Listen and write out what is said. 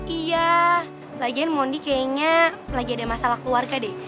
iya lagian mondi kayaknya lagi ada masalah keluarga deh